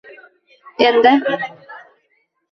Endi